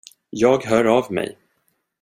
Jag hör av mig.